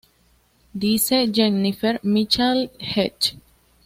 Dice Jennifer Michael Hecht